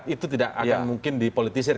itu tidak akan mungkin dipolitisir